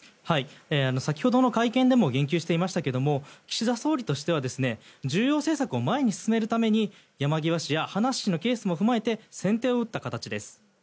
先ほどの会見でも言及していましたが岸田総理としては重要政策を前に進めるために山際氏や葉梨氏のケースも踏まえて先手を打った形です。